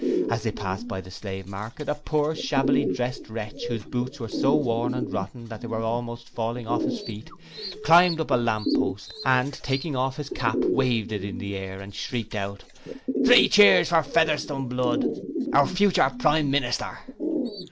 As they passed by the Slave Market, a poor, shabbily dressed wretch whose boots were so worn and rotten that they were almost falling off his feet, climbed up a lamp post, and taking off his cap waved it in the air and shrieked out: 'Three Cheers for Sir Featherstone Blood, our future Prime Minister!'